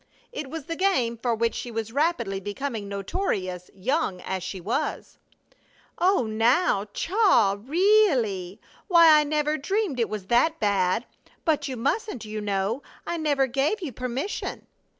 It was the game for which she was rapidly becoming notorious, young as she was. "Oh, now, Chaw ! Ree ally! Why, I never dreamed it was that bad! But you mustn't, you know! I never gave you permission!"